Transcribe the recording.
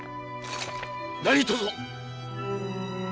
何とぞ！